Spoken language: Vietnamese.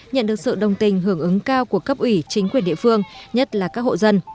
nhận được sự đồng tình hưởng ứng cao của cấp ủy chính quyền địa phương nhất là các hộ dân